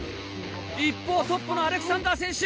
一方トップのアレクサンダー選手